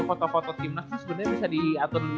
kota kota tim nasi sebenernya bisa diatur